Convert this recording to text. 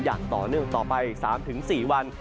อย่างต่อเนื่องต่อไป๓๔วัน